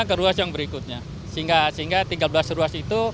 sehingga tiga belas ruas itu insya allah akan kita beresin semua